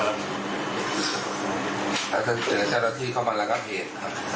ถ้าเจอเจ้าหน้าที่เข้ามารักษ์กับเหตุครับ